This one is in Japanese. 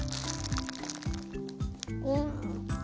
うん。